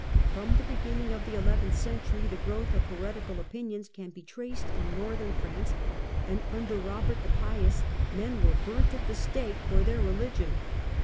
From the be ginning of the eleventh century the growth of heretical opinions can be traced in Northern France, and under Eobert the Pious men were burnt at the stake for their religion.